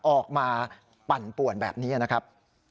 ออกมาปั่นป่วนแบบนี้นะครับ